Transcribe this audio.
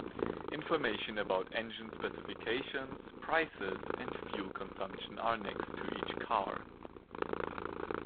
Information about engine specifications, prices and fuel consumption are next to each car.